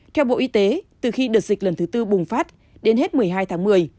theo bộ y tế từ khi đợt dịch lần thứ tư bùng phát đến hết một mươi hai tháng một mươi